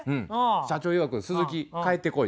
社長いわく「鈴木帰ってこい」と。